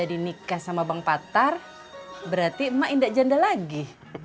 dinikah sama bang patar berarti emak indah janda lagi